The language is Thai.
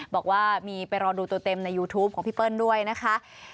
บอกว่ามีไปรอดูตัวเต็มในยูทูปของพี่เปิ้ลด้วยนะคะ